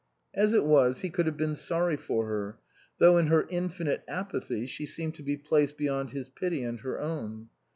As it was he could have been sorry for her, though in her infinite apathy she seemed to be placed beyond his pity and her own.